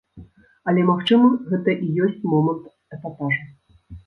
Але, магчыма, гэта і ёсць момант эпатажу.